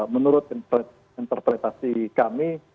menurut interpretasi kami